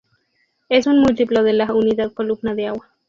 Es un múltiplo de la unidad columna de agua.